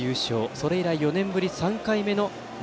それ以来４年ぶり３回目の夏